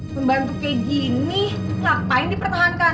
membantu kayak gini kelapa yang dipertahankan